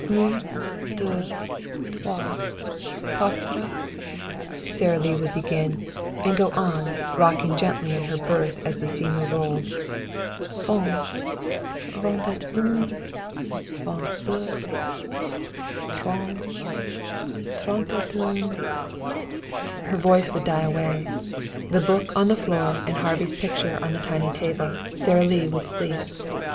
"Un, deux, trois, quatre, cinq," Sara Lee would begin, and go on, rocking gently in her berth as the steamer rolled, "Vingt, vingt et un, vingt deux, trente, trente et un " Her voice would die away. The book on the floor and Harvey's picture on the tiny table, Sara Lee would sleep.